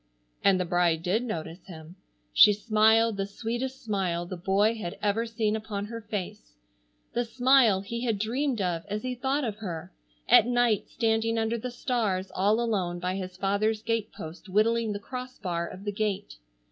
And the bride did notice him. She smiled the sweetest smile the boy had ever seen upon her face, the smile he had dreamed of as he thought of her, at night standing under the stars all alone by his father's gate post whittling the cross bar of the gate.